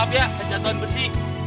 maaf ya ada jatuhan besi